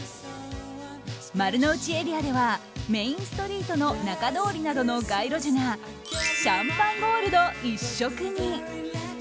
丸の内エリアではメインストリートの仲通りなどの街路樹がシャンパンゴールド一色に。